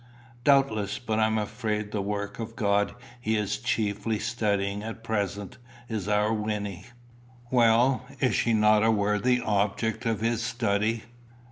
"Doubtless. But I am afraid the work of God he is chiefly studying at present is our Wynnie." "Well, is she not a worthy object of his study?"